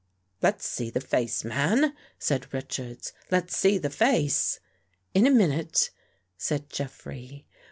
" Let's see the face, man," said Richards. " Let's see the face." " In a minute," said Jeffrey.